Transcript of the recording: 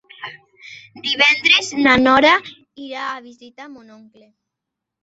Divendres na Nora irà a visitar mon oncle.